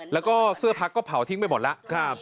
แล้วก็เสื้อพักก็เผาทิ้งไปหมดแล้ว